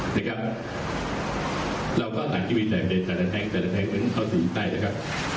นะครับเราก็หลังที่มีแต่แต่แต่แท็งส์แต่แต่แท็งส์เหมือนเขาสีใต้นะครับ